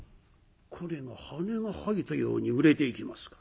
これが羽が生えたように売れていきました。